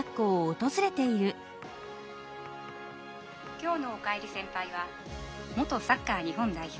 「きょうの『おかえり先輩』は元サッカー日本代表